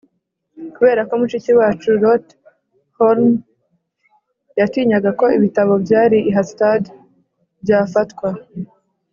Kubera ko mushiki wacu Lotte Holm yatinyaga ko ibitabo byari i Harstad byafatwa